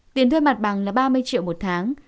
tiền thuê mặt bằng là ba mươi triệu một tháng